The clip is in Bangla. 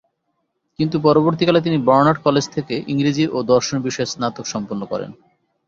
কিন্তু পরবর্তীকালে তিনি বার্নার্ড কলেজ থেকে ইংরেজি ও দর্শন বিষয়ে স্নাতক সম্পন্ন করেন।